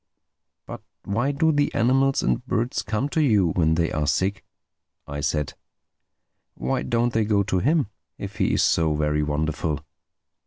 "But why do the animals and birds come to you when they are sick?" I said—"Why don't they go to him, if he is so very wonderful?"